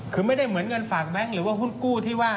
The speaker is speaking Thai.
คือไม่ได้เหมือนเงินฝากแบงค์หรือว่าหุ้นกู้ที่ว่า